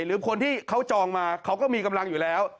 หรือคนที่เขาจองมาเขาก็มีกำลังอยู่แล้ว